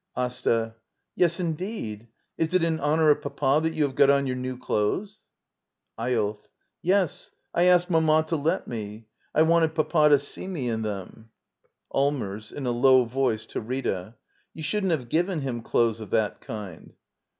AsTA. Yes, indeed. Is it in honor of Papa that you have got on your new clothes? Eyolf. Yes, I asked Mama to let me. I wanted ^ Papa to see me in them. d by Google LITTLE EYOLF ^ Act i. Allmers, [In a low voice, to Rita,] You shouldn't have given him clothes of that kind.